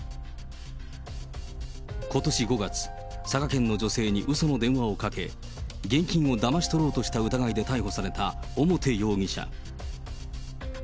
ことし５月、佐賀県の女性にうその電話をかけ、現金をだまし取ろうとした疑いで逮捕された表容疑者。